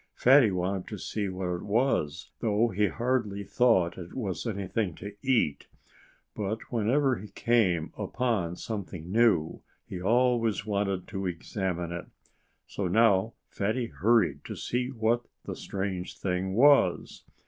Fatty wanted to see what it was, though he hardly thought it was anything to eat. But whenever he came upon something new he always wanted to examine it. So now Fatty hurried to see what the strange thing was.